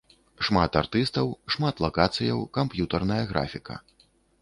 Шмат артыстаў, шмат лакацыяў, камп'ютарная графіка.